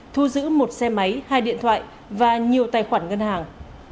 thu giữ một xe máy hai điện thoại và nhiều tài khoản ngân hàng